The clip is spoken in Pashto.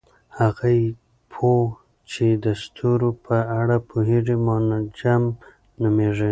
هغه پوه چې د ستورو په اړه پوهیږي منجم نومیږي.